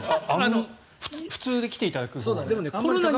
普通で来ていただくほうが。